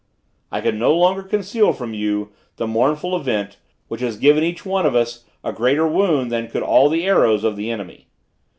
I can no longer conceal from you the mournful event, which has given each one of us, a greater wound than could all the arrows of the enemy.